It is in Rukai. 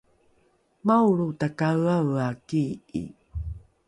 maolro takaeaea kii’i